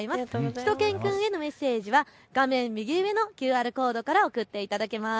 しゅと犬くんへのメッセージは画面右上のＱＲコードから送っていただけます。